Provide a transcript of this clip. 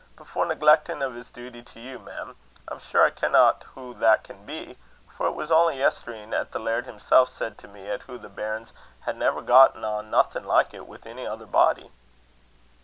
But for negleckin' o' his duty to you, mem, I'm sure I kenna hoo that can be; for it was only yestreen 'at the laird himsel' said to me, 'at hoo the bairns had never gotten on naething like it wi' ony ither body."